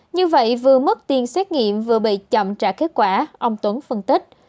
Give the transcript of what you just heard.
như vậy vừa mất tiền xét nghiệm vừa bị chậm trả kết quả ông tuấn phân tích